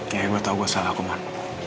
ya gue tahu gue salah komad